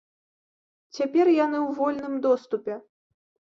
Цяпер яны ў вольным доступе.